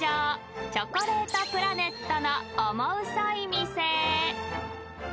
チョコレートプラネットのオモウソい店］